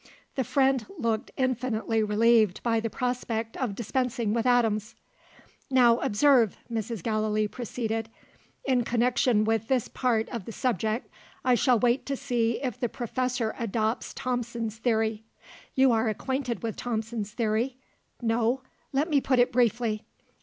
The friend looked infinitely relieved by the prospect of dispensing with atoms. "Now observe!" Mrs. Gallilee proceeded. "In connection with this part of the subject, I shall wait to see if the Professor adopts Thomson's theory. You are acquainted with Thomson's theory? No? Let me put it briefly.